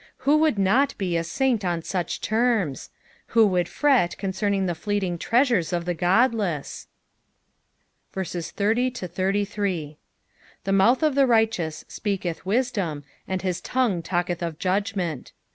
Who would not be a saint on such terms ? Who would fret concerning the fleeting treaau^ea of the godleas t 30 The mouth of the righteous speaketh wisdom, and his tongue talketh of judgment.